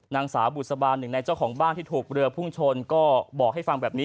นางสาวบุษบาลหนึ่งในเจ้าของบ้านที่ถูกเรือพุ่งชนก็บอกให้ฟังแบบนี้